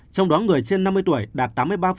trong đó người trên năm mươi tuổi đạt tám mươi ba